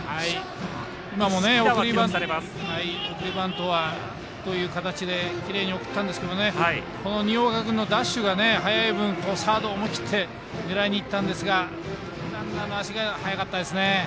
送りバントいい形できれいに送ったんですけど新岡君のダッシュが速い分サードを思い切って狙いにいったんですがランナーの足が速かったですね。